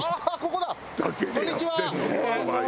こんにちは。